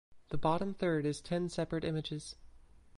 The bottom third is ten separate images.